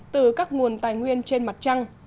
từ các nguồn tài nguyên trên mặt trăng